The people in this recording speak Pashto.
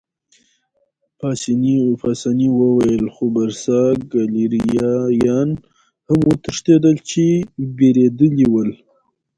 پاسیني وویل: خو برساګلیریایان هم وتښتېدل، چې بېرېدلي ول.